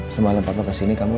semalam papa kesana sama reina